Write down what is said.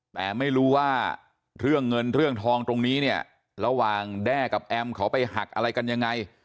แต่ไม่รู้ว่าเรื่องเงินเรื่องทองตรงนี้เนี่ยระหว่างแด้กับแอมเขาไปหักอะไรกันยังไง